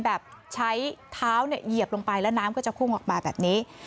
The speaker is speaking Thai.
แบบใช้เท้าเนี่ยเหยียบลงไปแล้วน้ำก็จะพุ่งออกมาแบบนี้